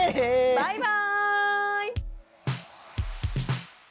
バイバーイ！